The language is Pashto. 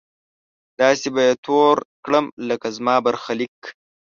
داسې به يې تور کړم لکه زما برخليک!